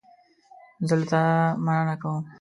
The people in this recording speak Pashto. زه له تا مننه کوم.